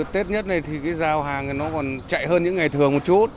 tết nhất này thì cái giao hàng nó còn chạy hơn những ngày thường một chút